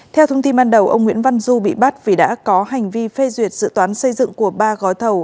theo thông tin ban đầu ông nguyễn văn du bị bắt vì đã có hành vi phê duyệt dự toán xây dựng của ba gói thầu